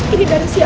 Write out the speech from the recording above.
ini darah siapa